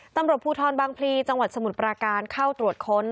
ตำรวจภูทรบางพลีจังหวัดสมุทรปราการเข้าตรวจค้น